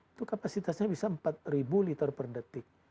itu kapasitasnya bisa empat ribu liter per detik